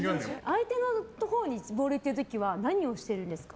相手のところにボール行ってる時何をしてるんですか？